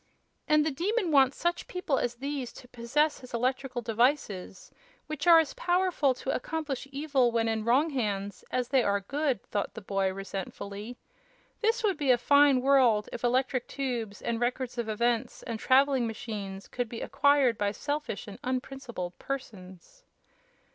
"And the Demon wants such people as these to possess his electrical devices, which are as powerful to accomplish evil when in wrong hands as they are good!" thought the boy, resentfully. "This would be a fine world if Electric Tubes and Records of Events and Traveling Machines could be acquired by selfish and unprincipled persons!"